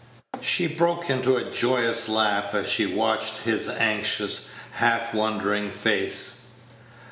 She broke into a joyous laugh as she watched his anxious, half wondering face.